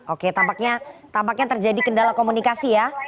oke tampaknya terjadi kendala komunikasi ya